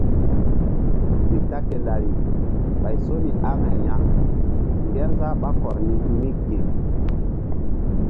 Mi ta ke lari ɓay so ni aŋay ya ngerzah ɓá kɔr ni hi̧ mi ge.